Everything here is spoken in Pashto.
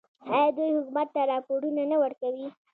آیا دوی حکومت ته راپورونه نه ورکوي؟